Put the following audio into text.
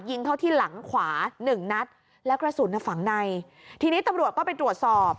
ยิงเข้าที่หลังขวาหนึ่งนัดแล้วกระสุนอ่ะฝังในทีนี้ตำรวจก็ไปตรวจสอบ